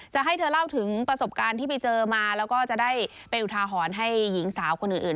จะให้เธอเล่าถึงประสบการณ์ที่ไปเจอมาแล้วก็จะได้เป็นอุทาหรณ์ให้หญิงสาวคนอื่น